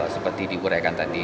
seperti dikuraikan tadi